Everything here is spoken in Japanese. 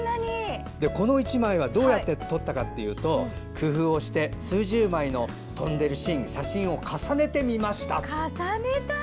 この１枚はどうやって撮ったかというと工夫をして数十枚の写真を重ねてみましたという。